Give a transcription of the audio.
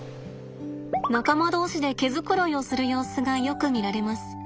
仲間同士で毛繕いをする様子がよく見られます。